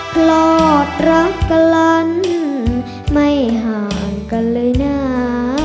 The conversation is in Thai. กลอดรักกันลันไม่ห่างกันเลยนะ